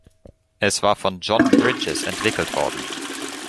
Es war von John Bridges entwickelt worden.